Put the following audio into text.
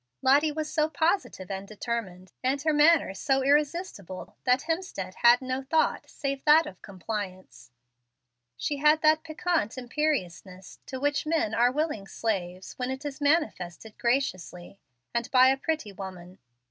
Lottie was so positive and determined, and her manner so irresistible, that Hemstead had no thought, save that of compliance. She had that piquant imperiousness to which men are willing slaves when it is manifested graciously, and by a pretty woman.